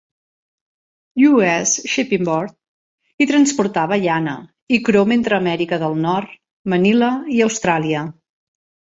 (...) U.S. Shipping Board i transportava llana i crom entre Amèrica del Nord, Manila i Austràlia.